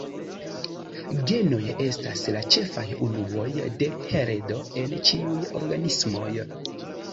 Genoj estas la ĉefaj unuoj de heredo en ĉiuj organismoj.